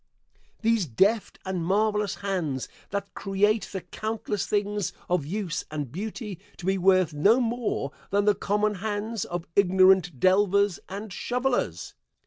These deft and marvelous hands that create the countless things of use and beauty to be worth no more than the common hands of ignorant delvers and shovelers.